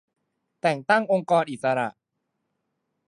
-แต่งตั้งองค์กรอิสระ